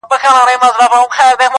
• بيا به خپل کي دا دښتونه -